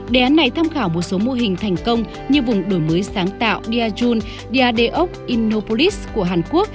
đề án này tham khảo một số mô hình thành công như vùng đổi mới sáng tạo diajun diadeok innopolis của hàn quốc